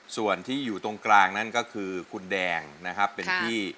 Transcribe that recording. ส่วนที่อยู่ตรงกลางนั่นก็คือคุณแดงนะครับเป็นพี่